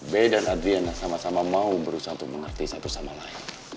b dan adriana sama sama mau berusaha untuk mengerti satu sama lain